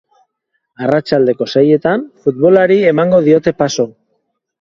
Arratsaldeko seietan futbolari emango diote paso.